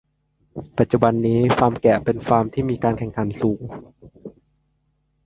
ปัจจุบันนี้ฟาร์มแกะเป็นฟาร์มที่มีการแข่งขันสูง